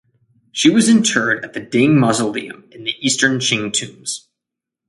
She was interred at the Ding Mausoleum in the Eastern Qing tombs.